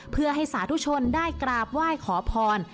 เพื่อให้สาธุชนได้กราบไหว้ขอพร